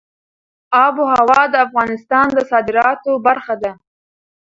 آب وهوا د افغانستان د صادراتو برخه ده.